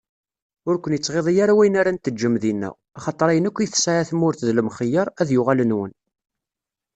Ur ken-ittɣiḍi ara wayen ara n-teǧǧem dinna, axaṭer ayen akk i tesɛa tmurt d lemxeyyeṛ, ad yuɣal nwen.